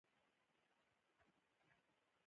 غاښونه خواړه میده کوي